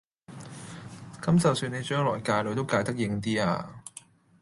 咁就算你將來界女都界得應啲呀